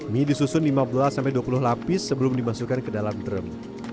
mie disusun lima belas dua puluh lapis sebelum dimasukkan ke dalam drum